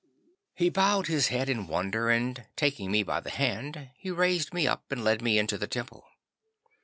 'He bowed his head in wonder, and, taking me by the hand, he raised me up, and led me into the temple.